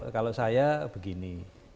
kalau saya begini